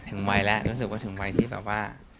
วัยแล้วรู้สึกว่าถึงวัยที่แบบว่า